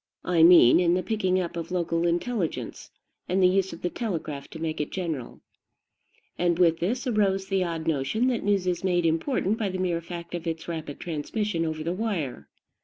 I mean in the picking up of local intelligence, and the use of the telegraph to make it general. And with this arose the odd notion that news is made important by the mere fact of its rapid transmission over the wire.